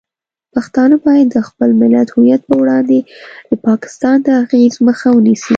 پښتانه باید د خپل ملي هویت په وړاندې د پاکستان د اغیز مخه ونیسي.